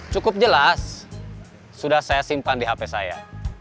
cukup jelas sudah saya simpan di hp saya